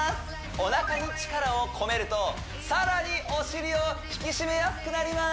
おなかに力を込めると更にお尻を引き締めやすくなります